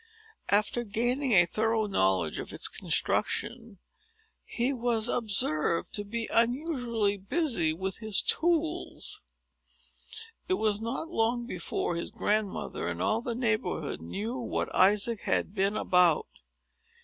After gaining a thorough knowledge of its construction, he was observed to be unusually busy with his tools. It was not long before his grandmother, and all the neighborhood, knew what Isaac had been about.